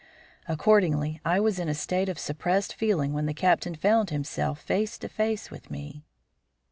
Accordingly, I was in a state of suppressed feeling when the Captain found himself face to face with me.